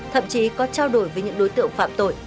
thậm chí có trao đổi với những đối tượng phạm tội